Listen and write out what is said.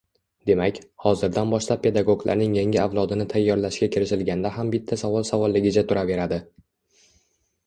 Demak, hozirdan boshlab pedagoglarning yangi avlodini tayorlashga kirishilganda ham bitta savol savolligicha turaveradi